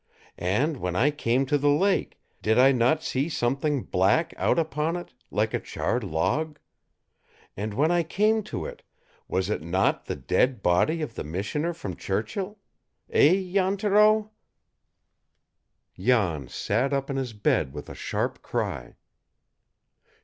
And when I came to the lake, did I not see something black out upon it, like a charred log? And when I came to it, was it not the dead body of the missioner from Churchill? Eh, Jan Thoreau?" Jan sat up in his bed with a sharp cry.